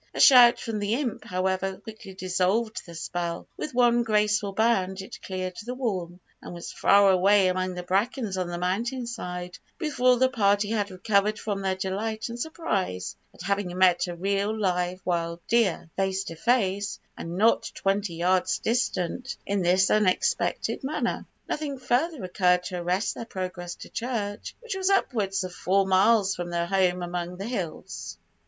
A shout from the imp, however, quickly dissolved the spell; with one graceful bound it cleared the wall, and was far away among the brackens on the mountain side before the party had recovered from their delight and surprise at having met a real live wild deer, face to face, and not twenty yards distant, in this unexpected manner. Nothing further occurred to arrest their progress to church, which was upwards of four miles from their home among the hills.